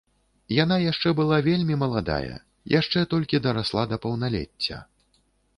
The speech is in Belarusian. Яна яшчэ была вельмі маладая, яшчэ толькі дарасла да паўналецця.